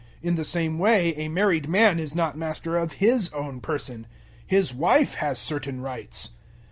In the same way a married man is not master of his own person: his wife has certain rights.